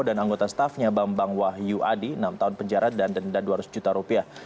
dan anggota staffnya bambang wahyu adi enam tahun penjara dan denda dua ratus juta rupiah